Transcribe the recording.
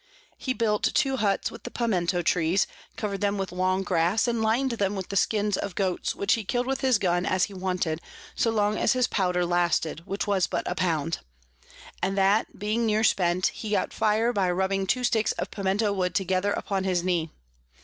He built two Hutts with Piemento Trees, cover'd them with long Grass, and lin'd them with the Skins of Goats, which he kill'd with his Gun as he wanted, so long as his Powder lasted, which was but a pound; and that being near spent, he got fire by rubbing two sticks of Piemento Wood together upon his knee.